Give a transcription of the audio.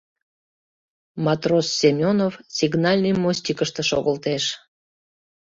Матрос Семёнов сигнальный мостикыште шогылтеш.